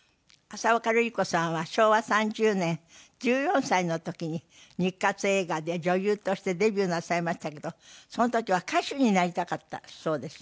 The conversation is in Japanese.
浅丘ルリ子さんは昭和３０年１４歳の時に日活映画で女優としてデビューなさいましたけどその時は歌手になりたかったそうです。